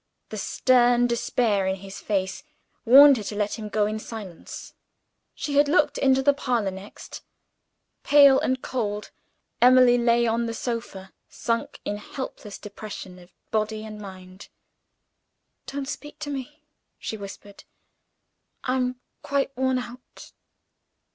The stern despair in his face warned her to let him go in silence. She had looked into the parlor next. Pale and cold, Emily lay on the sofa sunk in helpless depression of body and mind. "Don't speak to me," she whispered; "I am quite worn out."